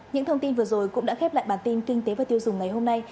những thông tin vừa rồi cũng đã khép lại bản tin kinh tế và tiêu dùng ngày hôm nay